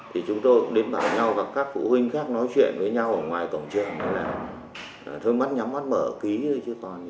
thì chúng tôi đến bảo nhau và các phụ huynh khác nói chuyện với nhau ở ngoài cổng trường là thôi mắt nhắm mắt mở ký thôi chứ còn